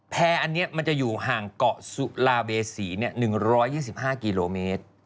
แพร่อันนี้มันจะอยู่ห่างเกาะสุลาเบษี๑๒๕กิโลเมตร